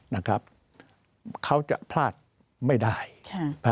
นะครับเขาจะพลาดไม่ได้ใช่อ่า